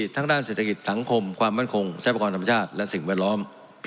ทั้งด้านเศรษฐกิจสังคมความมั่นคงทรัพยากรธรรมชาติและสิ่งแวดล้อม